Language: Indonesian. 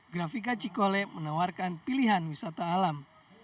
grafika cikole menawarkan pilihan wisata alam